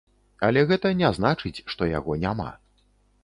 Але гэта не значыць, што яго няма.